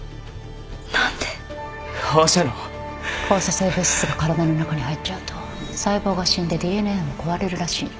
放射性物質が体の中に入っちゃうと細胞が死んで ＤＮＡ も壊れるらしいの